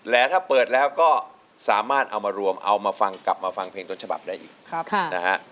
และถ้าเปิดแล้วก็สามารถเอามารวมเอามาฟังกลับมาฟังเพลงต้นฉบับได้อีกนะฮะ